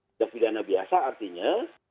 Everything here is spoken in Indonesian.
tindak pidana biasa artinya